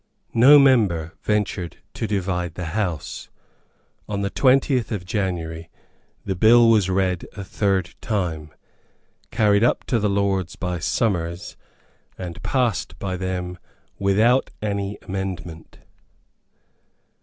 No member ventured to divide the House. On the twentieth of January the bill was read a third time, carried up to the Lords by Somers, and passed by them without any amendment.